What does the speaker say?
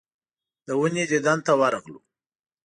د ونې دیدن ته ورغلو.